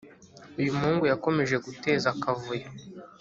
uyumuhungu yakomeje guteza akavuyo